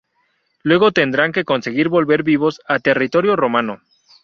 Luego tendrán que conseguir volver vivos a territorio romano.